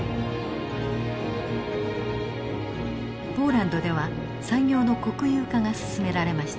ポーランドでは産業の国有化が進められました。